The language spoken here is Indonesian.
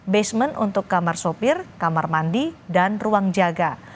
basement untuk kamar sopir kamar mandi dan ruang jaga